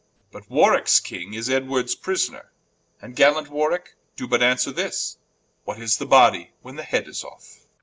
But Warwickes King is Edwards Prisoner: And gallant Warwicke, doe but answer this, What is the Body, when the Head is off?